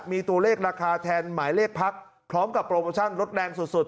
มีตัวเลขราคาแทนหมายเลขพักพร้อมกับโปรโมชั่นลดแรงสุด